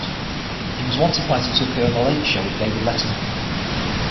He was once invited to appear on the "Late Show with David Letterman".